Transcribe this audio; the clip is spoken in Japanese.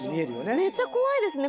はいめっちゃ怖いですね